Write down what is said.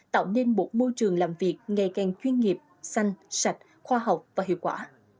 tạo nên một môi trường làm việc ngày càng chuyên nghiệp xanh sạch khoa học và hiệu quả